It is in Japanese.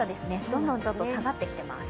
どんどん下がってきています。